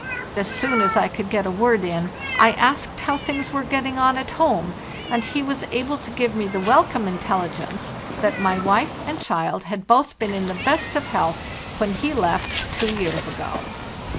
As soon as I could get a word in, I asked how things were getting on at home, and he was able to give me the welcome intelligence that my wife and child had both been in the best of health when he left two years ago.